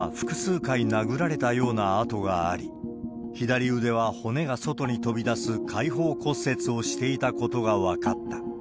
捜査関係者への取材で、大塩さんの顔には複数回殴られたような痕があり、左腕は骨が外に飛び出す解放骨折をしていたことが分かった。